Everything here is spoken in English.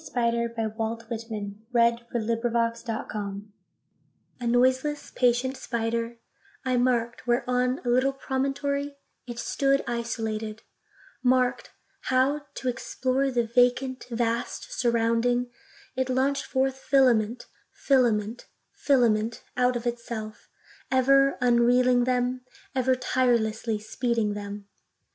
Leaves of Grass. 1900. 208. A Noiseless Patient Spider A NOISELESS, patient spider,I mark'd, where, on a little promontory, it stood, isolated; Mark'd how, to explore the vacant, vast surrounding, It launch'd forth filament, filament, filament, out of itself; Ever unreeling them—ever tirelessly speeding them.